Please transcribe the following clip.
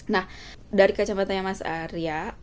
nah dari kacamatanya mas arya